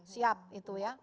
siap itu ya